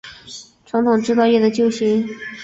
传统制造业的救星